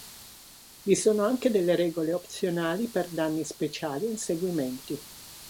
Vi sono anche regole opzionali per danni speciali e inseguimenti.